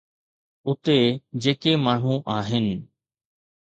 اتي جيڪي ماڻهو آهن.